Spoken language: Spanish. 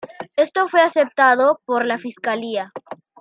Esto fue aceptado por la fiscalía.